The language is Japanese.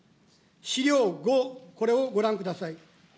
資料５、これをご覧ください。